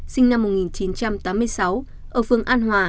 sinh năm một nghìn chín trăm tám mươi sáu ở phương an hòa